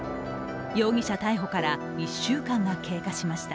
容疑者逮捕から１週間が経過しました。